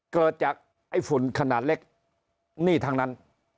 เกิดจากไอ้ฝุ่นขนาดเล็กนี่ทั้งนั้น